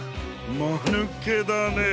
まぬけだねえ。